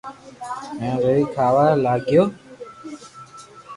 ھين روي کاھ وا لاگيو